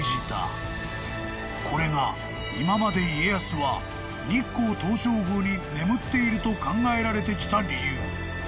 ［これが今まで家康は日光東照宮に眠っていると考えられてきた理由］